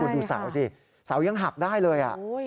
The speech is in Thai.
ดูเสาสิเสายังหักได้เลย